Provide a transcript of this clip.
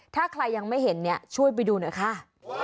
ถ้ากลายังไม่เห็นช่วยไปดูนะ